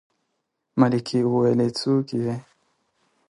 ملکې وويلې څوک يې.